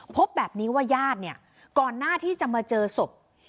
พบแบบนี้ว่าญาติเนี่ยก่อนหน้าที่จะมาเจอศพ